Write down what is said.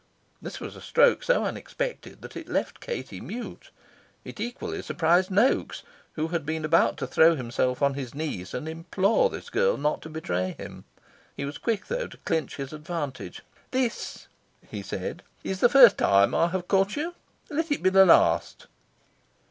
This was a stroke so unexpected that it left Katie mute. It equally surprised Noaks, who had been about to throw himself on his knees and implore this girl not to betray him. He was quick, though, to clinch his advantage. "This," he said, "is the first time I have caught you. Let it be the last."